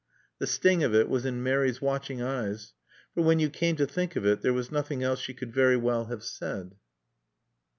The sting of it was in Mary's watching eyes. For, when you came to think of it, there was nothing else she could very well have said.